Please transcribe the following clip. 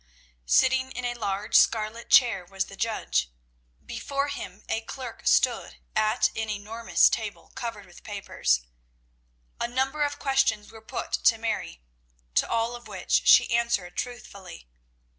Sitting in a large scarlet chair was the judge. Before him a clerk stood at an enormous table covered with papers. A number of questions were put to Mary, to all of which she answered truthfully.